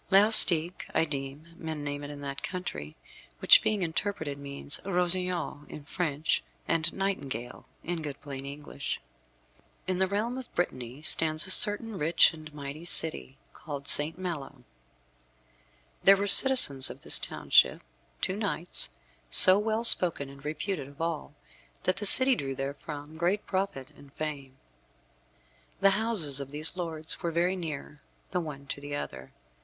Laustic, I deem, men name it in that country, which, being interpreted, means rossignol in French, and nightingale in good plain English. In the realm of Brittany stands a certain rich and mighty city, called Saint Malo. There were citizens of this township two knights, so well spoken and reputed of all, that the city drew therefrom great profit and fame. The houses of these lords were very near the one to the other.